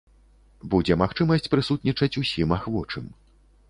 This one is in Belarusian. Будзе магчымасць прысутнічаць усім ахвочым.